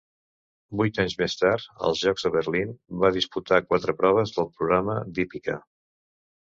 Vuit anys més tard, als Jocs de Berlín va disputar quatre proves del programa d'hípica.